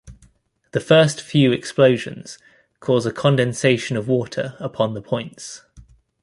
The first few explosions cause a condensation of water upon the points.